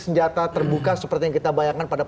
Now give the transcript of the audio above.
senjata terbuka seperti yang kita bayangkan pada